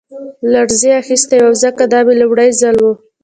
لړزې اخیستی وم ځکه دا مې لومړی ځل و